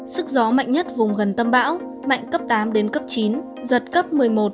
sức gió mạnh nhất vùng gần tâm bão mạnh cấp tám đến cấp chín giật cấp một mươi một